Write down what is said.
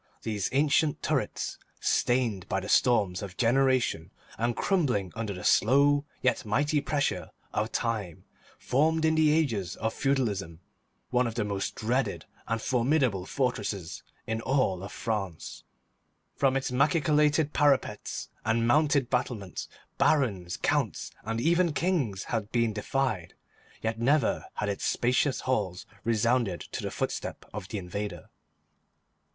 These ancient turrets, stained by the storms of generations and crumbling under the slow yet mighty pressure of time, formed in the ages of feudalism one of the most dreaded and formidable fortresses in all France. From its machicolated parapets and mounted battlements Barons, Counts, and even Kings had been defied, yet never had its spacious halls resounded to the footstep of the invader.